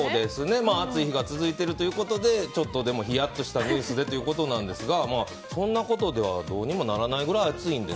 暑い日が続いているということでちょっとでもヒヤッとしたニュースでということですがそんなことではどうにもならないくらい暑いんで。